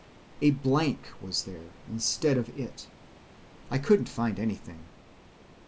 A blank was there instead of It: I couldn't find anything.